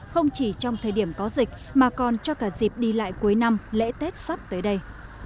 không chỉ trong thời điểm có dịch mà còn cho cả dịp đi lại cuối năm lễ tết sắp tới đây